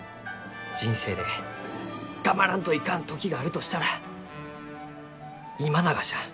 人生で頑張らんといかん時があるとしたら今ながじゃ。